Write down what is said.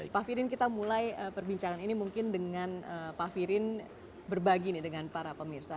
pak firin kita mulai perbincangan ini mungkin dengan pak firin berbagi dengan para pemirsa